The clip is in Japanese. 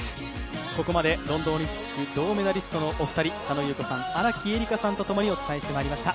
ここまでロンドンオリンピック銅メダリストのお二人、佐野優子さん、荒木絵里香さんとともにお伝えしてまいりました。